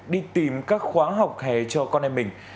đi tìm các khóa học hè cho con trên mạng